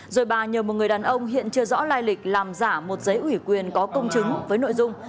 rồi bà nhờ một người đàn ông hiện chưa rõ lai lịch làm giả một giấy ủy quyền có công chứng với nội dung